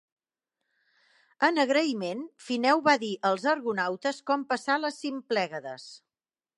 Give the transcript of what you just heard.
En agraïment, Fineu va dir als argonautes com passar les Simplègades.